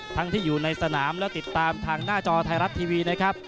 ทั้งที่อยู่ในสนามและติดตามทางหน้าจอไทยรัฐทีวีนะครับ